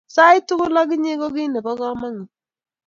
sait tugul ak inye ko kit nebo kamangut